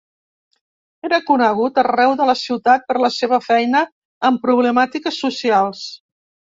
Era conegut arreu de la ciutat per la seva feina amb problemàtiques socials.